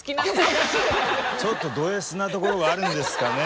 ちょっとドＳなところがあるんですかね。